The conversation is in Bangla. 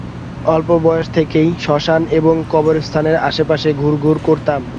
অল্প বয়স থেকেই শ্মশান এবং কবরস্থানের আশেপাশে ঘুরঘুর করতাম।